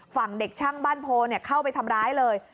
ฝั่งเด็กช่างบ้านโพเข้าไปทำร้ายเลย